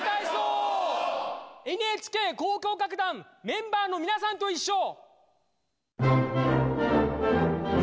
ＮＨＫ交響楽団メンバーのみなさんといっしょ！